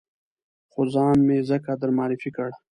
خو ځان مې ځکه در معرفي کړ.